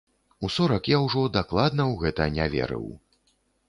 У сорак я ўжо дакладна ў гэта не верыў.